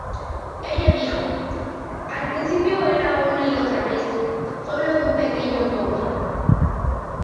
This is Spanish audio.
Ella dijo: "Al principio era una y otra vez; solo un pequeño toque.